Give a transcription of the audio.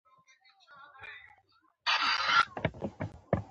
د احمد کور غلو وواهه؛ خوراکی يې الپی الا کړ.